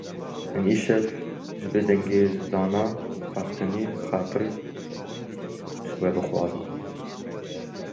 Em îşev jî bi dengê Zana Farqînî xatir ji we bixwazin